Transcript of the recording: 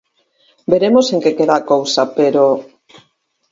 Veremos en que queda a cousa pero...